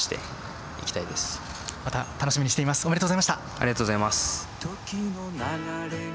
ありがとうございます。